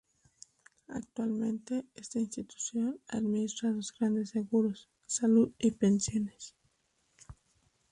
Actualmente, esta institución administra dos grandes seguros: salud y pensiones.